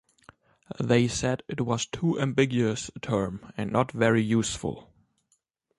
They said it was too ambiguous a term, and not very useful.